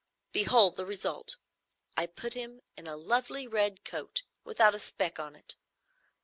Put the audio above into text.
Behold the result! I put him into a lovely red coat without a speck on it.